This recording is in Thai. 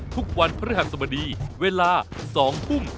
ทุกวันพระหัสบดีเวลา๒ทุ่ม